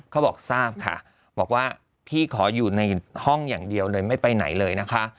เขาบอกทราบค่ะบอกว่าพี่ขออยู่ในห้องอย่างเดียวเลยไม่ไปไหนเลยนะคะ